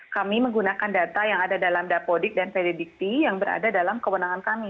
kami menggunakan data yang ada dalam dapodik dan pddikti yang berada dalam kewenangan kami